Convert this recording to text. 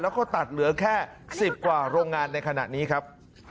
แล้วก็ตัดเหลือแค่๑๐กว่าโรงงานในขณะนี้ครับ